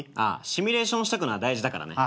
シミュレーションしとくのは大事だからね。